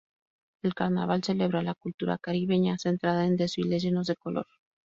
El carnaval celebra la cultura caribeña, centrada en desfiles llenos de color.